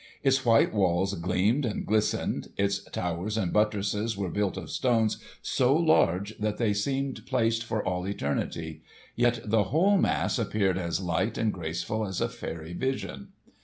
Its white walls gleamed and glistened. Its towers and buttresses were built of stones so large that they seemed placed for all eternity; yet the whole mass appeared as light and graceful as a fairy vision.